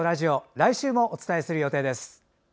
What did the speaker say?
来週もお伝えする予定です！